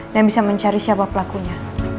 dan bisa mencari siapa pelakunya